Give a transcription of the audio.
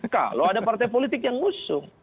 kalau ada partai politik yang ngusung